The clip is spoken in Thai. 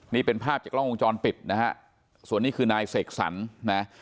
นี่เป็นภาพจากกล้องวงจรปิดนะฮะส่วนนี้คือนายเสกสรรนะ